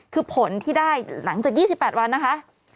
คือผลที่ได้หลังจาก๒๘วันนะคะ